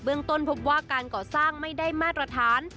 ต้นพบว่าการก่อสร้างไม่ได้มาตรฐาน